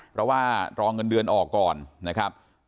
เพราะว่ารอเงินเดือนออกก่อนนะครับ